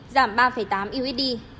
giảm ba tám usd